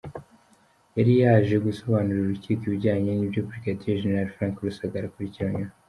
Yari yaje gusobanurira urukiko ibijyanye n’ibyo Brig Gen Frank Rusagara akurikiranyweho.